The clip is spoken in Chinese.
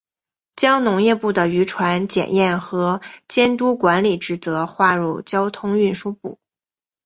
将农业部的渔船检验和监督管理职责划入交通运输部。